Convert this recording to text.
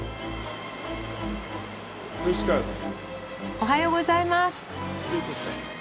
おはようございます。